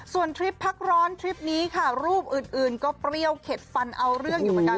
ส่วนทริปพักร้อนทริปนี้ค่ะรูปอื่นก็เปรี้ยวเข็ดฟันเอาเรื่องอยู่เหมือนกัน